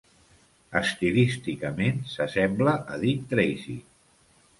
Estilísticament, s'assembla a Dick Tracy.